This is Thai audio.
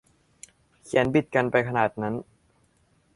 เขียนบิดกันไปขนาดนั้น